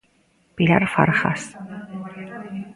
Pilar Farjas.